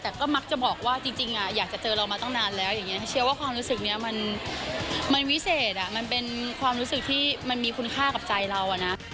แต่ก็มักจะบอกว่าจริงอยากจะเจอเรามาตั้งนานแล้วอย่างนี้เชื่อว่าความรู้สึกนี้มันวิเศษมันเป็นความรู้สึกที่มันมีคุณค่ากับใจเราอะนะ